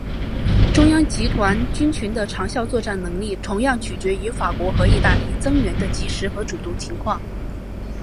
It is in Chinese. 中央集团军群的长效作战能力同样取决于法国和意大利的增援的及时和主动情况。